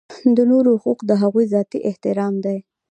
د نورو حقوق د هغوی ذاتي احترام دی.